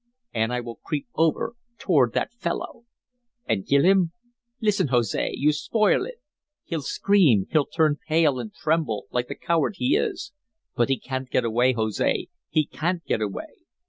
And I will creep over toward that fellow " "And kill him?" "Listen, Jose. You spoil it. He'll scream. He'll turn pale and tremble like the coward he is. But he can't get away, Jose, he can't get away!